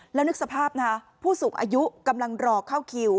แล้วนึกสภาพนะผู้สูงอายุกำลังรอเข้าคิว